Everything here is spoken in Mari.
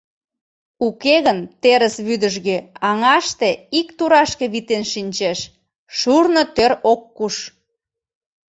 Уке гын терыс вӱдыжгӧ аҥаште ик турашке витен шинчеш — шурно тӧр ок куш.